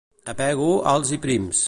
A Pego, alts i prims.